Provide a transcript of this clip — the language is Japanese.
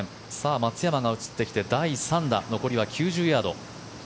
松山が映ってきて第３打、残りは９０ヤード。